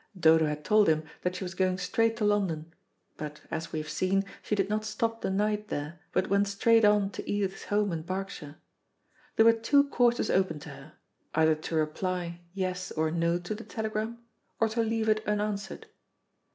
Dodo had told him that she was going straight to London, but, as we have seen, she did not stop the night there, but went straight on to Edith's home in Berkshire. There were two courses open to her; either to reply "Yes" or "No" to the telegram, or to leave it unanswered.